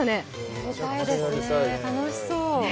やりたいですね楽しそう。